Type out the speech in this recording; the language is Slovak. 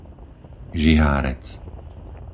Žihárec